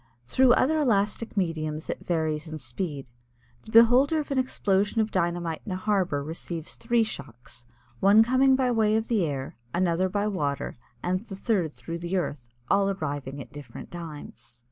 Through other elastic mediums it varies in speed. The beholder of an explosion of dynamite in a harbor receives three shocks, one coming by way of the air, another by water, and the third through the earth, all arriving at different times.